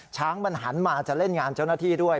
ช้างมันหันมาจะเล่นงานเจ้าหน้าที่ด้วย